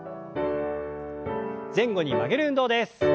前後に曲げる運動です。